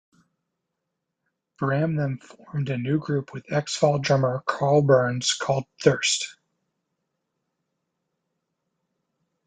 Bramah then formed a new group with ex-Fall drummer Karl Burns called Thirst.